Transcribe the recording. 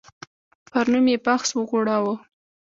پر نوم یې بحث وغوړاوه.